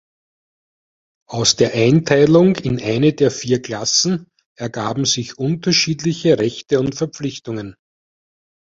Aus der Einteilung in eine der vier Klassen ergaben sich unterschiedliche Rechte und Verpflichtungen.